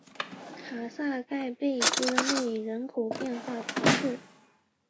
卡萨盖贝戈内人口变化图示